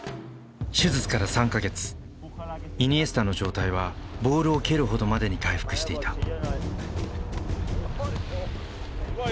イニエスタの状態はボールを蹴るほどまでに回復していた。